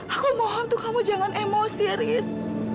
aku mohon tuh kamu jangan emosi riz